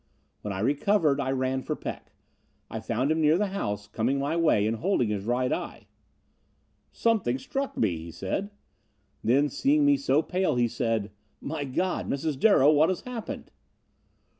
"When I recovered I ran for Peck. I found him near the house, coming my way and holding his right eye. "'Something struck me,' he said. Then, seeing me so pale, he said, 'My God! Mrs. Darrow, what has happened?'